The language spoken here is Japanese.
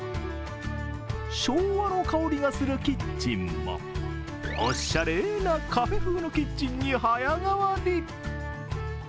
昭和の香りがするキッチンもおしゃれなカフェ風のキッチンに早変わり。